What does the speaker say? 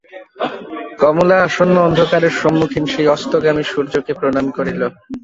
কমলা আসন্ন অন্ধকারের সম্মুখীন সেই অস্তগামী সূর্যকে প্রণাম করিল।